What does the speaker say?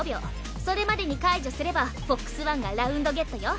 それまでに解除すればＦＯＸＯＮＥがラウンドゲットよ。